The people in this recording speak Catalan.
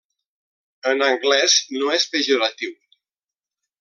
En anglès no és pejoratiu.